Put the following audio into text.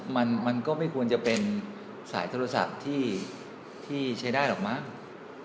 มันก็ไม่ควรจะเป็นสายโทรศัพท์ที่ใช้ได้หรอกมั้ง